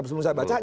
sebelum saya baca